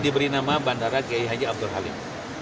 beri nama bandara g i haji abdul halim